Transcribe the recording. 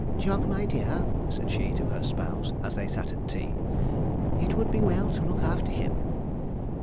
'Jog, my dear,' said she, to her spouse, as they sat at tea; 'it would be well to look after him.'